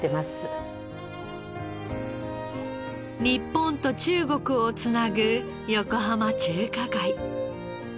日本と中国を繋ぐ横浜中華街。